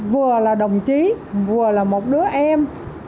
vừa là đồng chí vừa là một đứa em